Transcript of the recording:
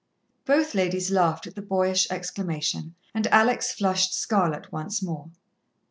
Both ladies laughed at the boyish exclamation, and Alex flushed scarlet once more.